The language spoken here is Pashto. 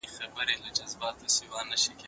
زعفران د افغانستان د کرنې طلایی تاج دی.